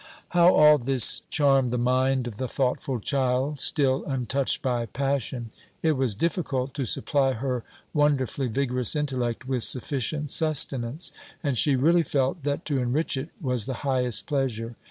"How all this charmed the mind of the thoughtful child, still untouched by passion! It was difficult to supply her wonderfully vigorous intellect with sufficient sustenance, and she really felt that to enrich it was the highest pleasure.